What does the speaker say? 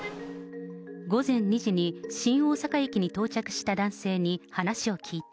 午前２時に新大阪駅に到着した男性に話を聞いた。